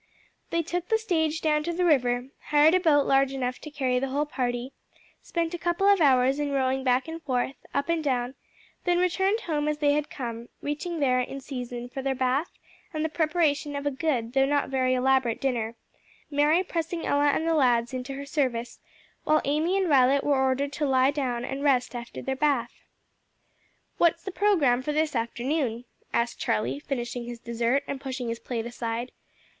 They took the stage down to the river, hired a boat large enough to carry the whole party, spent a couple of hours in rowing back and forth, up and down, then returned home as they had come, reaching there in season for their bath and the preparation of a good though not very elaborate dinner, Mary pressing Ella and the lads into her service, while Amy and Violet were ordered to lie down and rest after their bath. "What's the programme for this afternoon?" asked Charlie, finishing his dessert and pushing his plate aside.